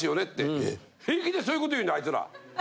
平気でそういうこと言うんだあいつら。